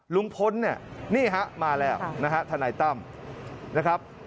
ลุงพลเนี่ยนี่ฮะมาแล้วนะฮะทนายตั้มนะครับ